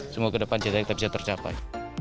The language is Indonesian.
semoga ke depan cerita kita bisa tercapai